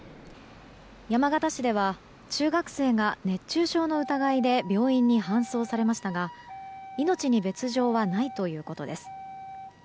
山形市では中学生が熱中症の疑いで病院に搬送されましたが命に別条はないということです。